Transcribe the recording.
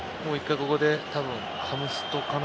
ここでハムストかな。